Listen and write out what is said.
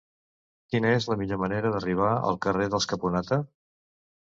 Quina és la millor manera d'arribar al carrer dels Caponata?